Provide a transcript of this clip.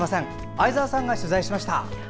相沢さんが取材しました。